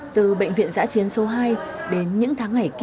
từ bệnh viện giã chiến số hai đến những tháng ngày kia